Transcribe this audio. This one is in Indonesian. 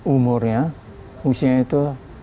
umurnya usianya itu